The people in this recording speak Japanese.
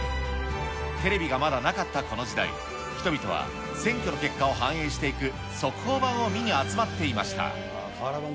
テレビがまだなかったこの時代、人々は選挙の結果を反映していく速報板を見に集まっていました。